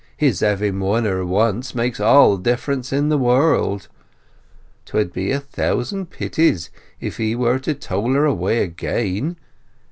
"His having won her once makes all the difference in the world. 'Twould be a thousand pities if he were to tole her away again.